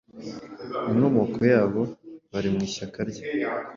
inkomokoyabo bari mu ishyaka rye.